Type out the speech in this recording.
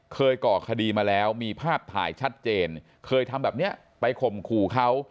ก่อคดีมาแล้วมีภาพถ่ายชัดเจนเคยทำแบบนี้ไปข่มขู่เขา